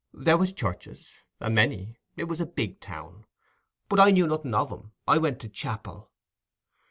"There was churches—a many—it was a big town. But I knew nothing of 'em—I went to chapel."